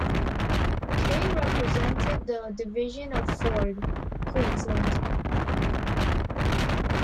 Kay represented the Division of Forde, Queensland.